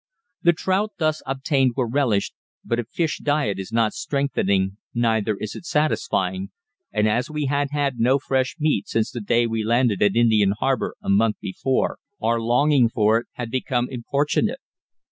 The trout thus obtained were relished, but a fish diet is not strengthening, neither is it satisfying, and as we had had no fresh meat since the day we landed at Indian Harbour a month before, our longing for it had become importunate.